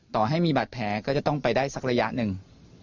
ต่อให้มีบาดแผลก็จะต้องไปได้สักระยะหนึ่ง